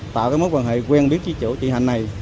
tạo mối quan hệ quen biết với chỗ trị hành này